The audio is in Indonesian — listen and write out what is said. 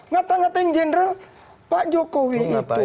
matang ngatain general pak jokowi itu